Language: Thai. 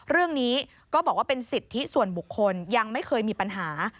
เรื่องนี้ก็บอกว่าเป็นสิทธิส่วนบุคคลยังไม่เคยมีปัญหา